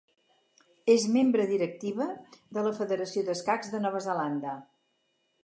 És membre directiva de la Federació d'Escacs de Nova Zelanda.